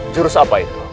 jurus apa itu